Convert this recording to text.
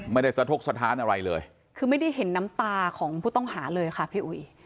ไม่ได้สะทกสถานอะไรเลยคือไม่ได้เห็นน้ำตาของผู้ต้องหาเลยค่ะพี่อุ๋ย